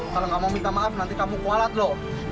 kalau nggak mau minta maaf nanti kamu kualat loh